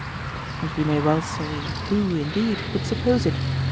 And we may well say, Who, indeed, would suppose it?